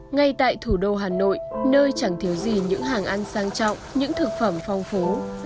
ngay tại thủ đô hà nội nơi chẳng thiếu gì những hàng ăn sang trọng những thực phẩm phong phú